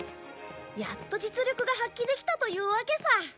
やっと実力が発揮できたというわけさ。